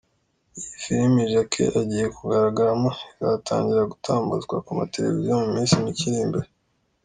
Iyi filimi Jackie agiye kugaragaramo izatangira gutambutswa ku mateleviziyo mu minsi mike iri imbere.